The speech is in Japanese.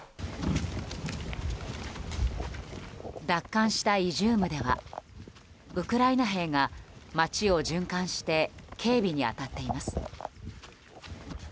奪還したイジュームではウクライナ兵が街を循環して警備に当たっています。